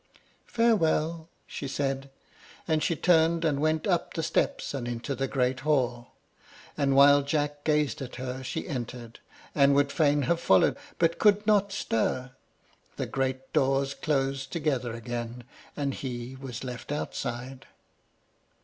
"Farewell!" she said, and she turned and went up the steps and into the great hall; and while Jack gazed at her as she entered, and would fain have followed, but could not stir, the great doors closed together again, and he was left outside.